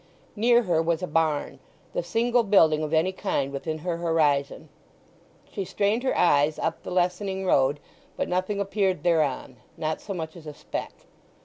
Near her was a barn—the single building of any kind within her horizon. She strained her eyes up the lessening road, but nothing appeared thereon—not so much as a speck.